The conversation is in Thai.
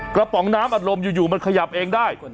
ป๋องน้ำอัดลมอยู่มันขยับเองได้